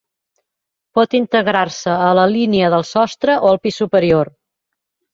Pot integrar-se a la línia del sostre o al pis superior.